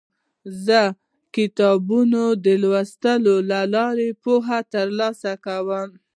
زه د کتابونو د لوستلو له لارې پوهه ترلاسه کوم.